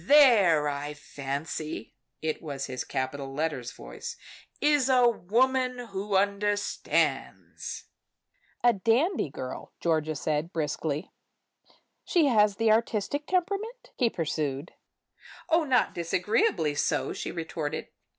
There, I fancy," it was his capital letter voice "is a woman who understands." "A dandy girl," said Georgia, briskly. "She has the artistic temperament?" he pursued. "Oh, not disagreeably so," she retorted.